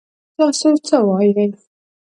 تاسو څه وايي ؟